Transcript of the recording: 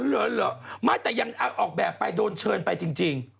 เหรอไม่แต่ยังออกแบบไปโดนเชิญไปจริง